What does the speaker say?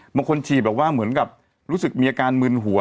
บางทีแบบว่าเหมือนกับรู้สึกมีอาการมึนหัว